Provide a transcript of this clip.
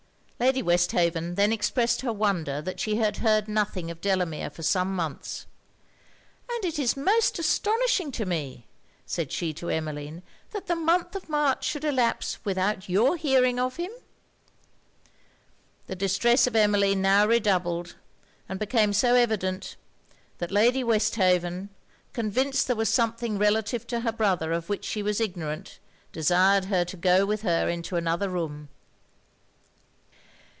Lady Westhaven then expressed her wonder that she had heard nothing of Delamere for some months. 'And it is most astonishing to me,' said she to Emmeline, 'that the month of March should elapse without your hearing of him.' The distress of Emmeline now redoubled; and became so evident, that Lady Westhaven, convinced there was something relative to her brother of which she was ignorant, desired her to go with her into another room.